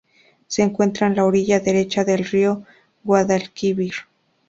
Se encuentra en la orilla derecha del río Guadalquivir.